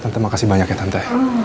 tante makasih banyak ya tante